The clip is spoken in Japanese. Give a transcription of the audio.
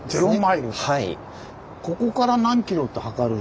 ここから何キロって測る。